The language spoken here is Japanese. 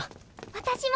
私も！